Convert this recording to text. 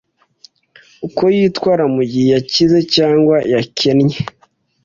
uko yitwara mu gihe yakize cyangwa yakennye,